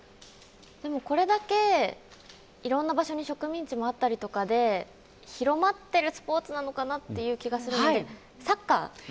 でもこれだけいろんな場所に植民地もあったりとかで広まっているスポーツなのかなという気がするのでサッカー。